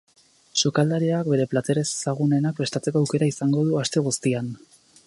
Sukaldariak bere plater ezagunenak prestatzeko aukera izango du aste guztian.